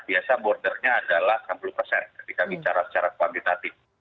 biasa bordernya adalah enam puluh persen ketika bicara secara kuantitatif